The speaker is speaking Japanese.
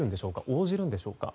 応じるんでしょうか。